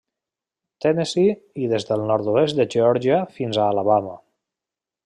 Tennessee i des del nord-oest de Geòrgia fins a Alabama.